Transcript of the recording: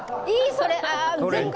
いい、それ！